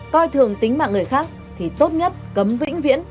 coi thường tính mạng người khác thì tốt nhất cấm vĩnh viễn